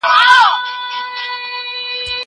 هغه څوک چي کالي مينځي پاک اوسي!!